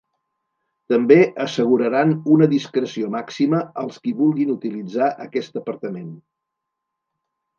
També asseguraran una discreció màxima als qui vulguin utilitzar aquest apartament.